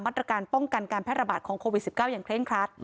ตรการป้องกันการแพร่ระบาดของโควิด๑๙อย่างเคร่งครัด